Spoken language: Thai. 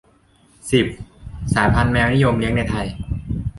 สิบ สายพันธุ์แมวนิยมเลี้ยงในไทย